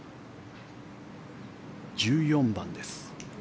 １４番です。